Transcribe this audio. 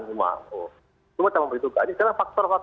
semua kita memperhitungkan